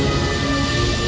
aku akan menangkapmu